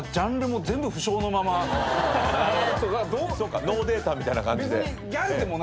そうかノーデータみたいな感じで。